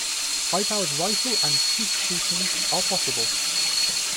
High-powered rifle and skeet shooting are possible.